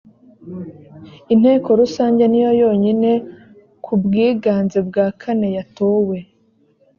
inteko rusange niyo yonyine ku bwiganze bwa kane yatowe